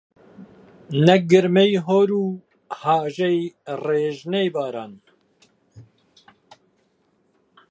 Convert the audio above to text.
نە گرمەی هەور و هاژەی ڕێژنە باران